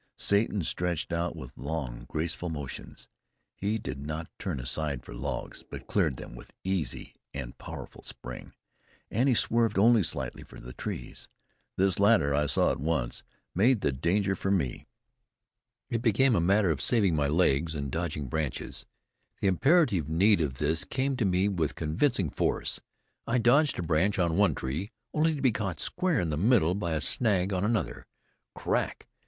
Satan stretched out with long graceful motions; he did not turn aside for logs, but cleared them with easy and powerful spring, and he swerved only slightly to the trees. This latter, I saw at once, made the danger for me. It became a matter of saving my legs and dodging branches. The imperative need of this came to me with convincing force. I dodged a branch on one tree, only to be caught square in the middle by a snag on another. Crack!